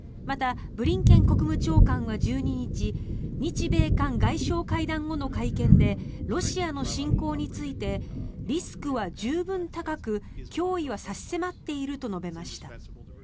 またブリンケン国務長官は１２日日米韓外相会談後の会見でロシアの侵攻についてリスクは十分高く脅威は差し迫っていると述べました。